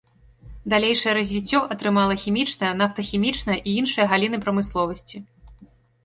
Далейшае развіццё атрымала хімічная, нафтахімічная і іншыя галіны прамысловасці.